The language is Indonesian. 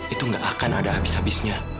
itu nggak akan ada habis habisnya